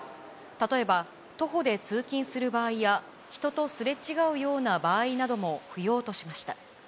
例えば、徒歩で通勤する場合や、人とすれ違うような場合なども不要としました。